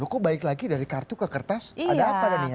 kok baik lagi dari kartu ke kertas ada apa daniar